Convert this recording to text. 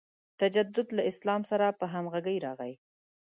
تجدد له اسلام سره په همغږۍ راغی.